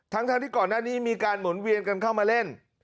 ทั้งที่ก่อนหน้านี้มีการหมุนเวียนกันเข้ามาเล่น